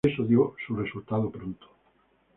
Y eso dio su resultado pronto.